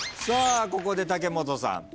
さあここで武元さん。